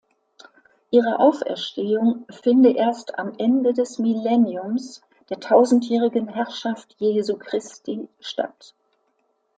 Ihre Auferstehung finde erst am Ende des Millenniums, der tausendjährigen Herrschaft Jesu Christi, statt.